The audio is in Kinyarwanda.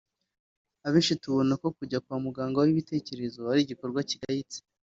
abenshi tubona ko kujya kwa muganga w’ibitekerezo ari igikorwa kigayitse